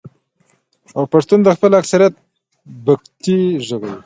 او پښتون د خپل اکثريت بګتۍ ږغوي.